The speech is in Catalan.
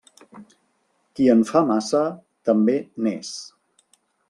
Qui en fa massa, també n'és.